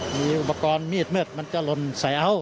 มีอุปกรณ์มีดมืดมันจะหล่นใส่เอา